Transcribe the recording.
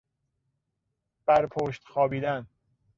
بر پشت خوابیدن